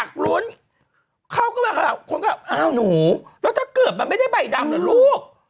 คนก็ว่าอ้าวหนูแล้วถ้าเกิดมันไม่ได้ใบดำเหรอลูก